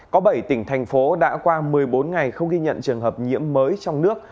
có bảy tỉnh thành phố đã qua một mươi bốn ngày không ghi nhận trường hợp nhiễm mới trong nước